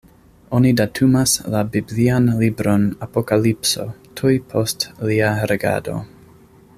Oni datumas la biblian libron Apokalipso tuj post lia regado.